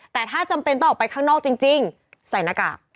แต่ถ้าจำเป็นต้องออกไปข้างนอกจริงใส่หน้ากาก